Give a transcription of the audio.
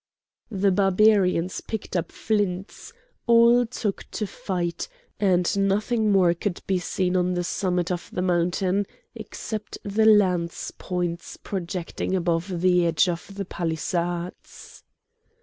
The Barbarians picked up flints; all took to flight; and nothing more could be seen on the summit of the mountain except the lance points projecting above the edge of the palisades.